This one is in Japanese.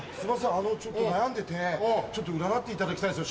あのちょっと悩んでて占っていただきたいんですよ